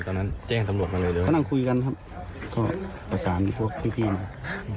ตอนนั้นคุยกันครับก็ประสานพวกพี่มา